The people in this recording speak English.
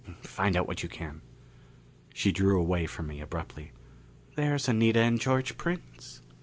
"Find out what you can." She drew away from me abruptly. "There's Anita and George Prince."